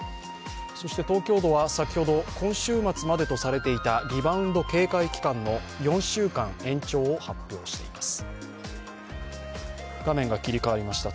東京都は先ほど、今週末までとされていたリバウンド警戒期間の４週間延長を発表しています。